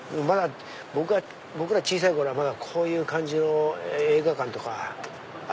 僕ら小さい頃はまだこういう感じの映画館あったよね。